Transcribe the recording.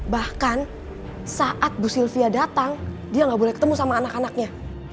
bahkan saat bu sylvia datang dia nggak boleh ketemu sama anak anaknya